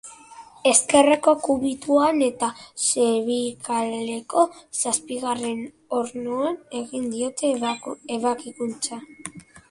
Ezkerreko kubituan eta zerbikaletako zazpigarren ornoan egin diote ebakuntza.